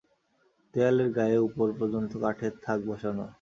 দেয়ালের গায়ে উপর পর্যন্ত কাঠের থাক বসানো।